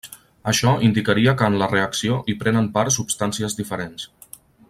Això indicaria que en la reacció hi prenen part substàncies diferents.